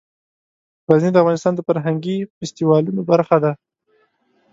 غزني د افغانستان د فرهنګي فستیوالونو برخه ده.